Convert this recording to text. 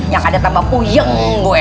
yang ada tambah kuyeng gue